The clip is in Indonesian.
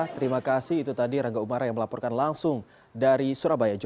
terima kasih itu tadi rangga umara yang melaporkan langsung dari surabaya jawa